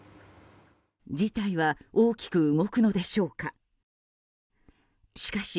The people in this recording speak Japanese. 事態は大きく動くのでしょうか。